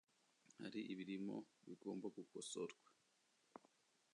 hari ibirimo bigomba gukosorwa